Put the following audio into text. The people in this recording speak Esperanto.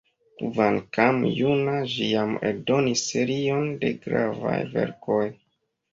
Kvankam juna, ĝi jam eldonis serion de gravaj verkoj.